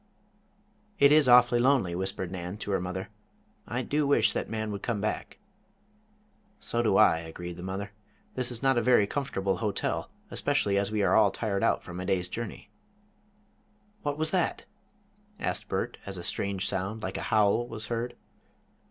"It is awfully lonely," whispered Nan, to her mother, "I do wish that man would come back." "So do I," agreed the mother. "This is not a very comfortable hotel, especially as we are all tired out from a day's journey." "What was that?" asked Bert, as a strange sound, like a howl, was heard.